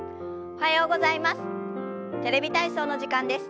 おはようございます。